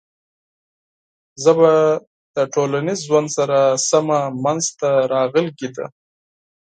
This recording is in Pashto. ژبه له ټولنیز ژوند سره سمه منځ ته راغلې ده.